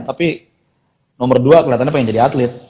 tapi nomor dua kelihatannya pengen jadi atlet